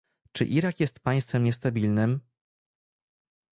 Czy Irak jest państwem niestabilnym?